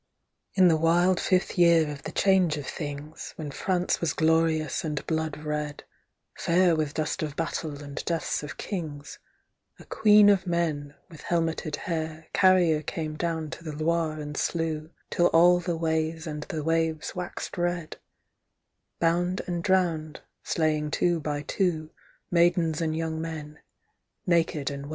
In the wild fifth year of the change of things, When France was glorious and blood red, fair With dust of battle and deaths of kings, A queen of men, with helmeted hair, Carrier came down to the Loire and slew, Till all the ways and the waves waxed red: Bound and drowned, slaying two by two, Maidens and young men, naked and wed.